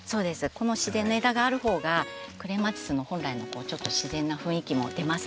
この自然の枝があるほうがクレマチスの本来のちょっと自然な雰囲気も出ますし。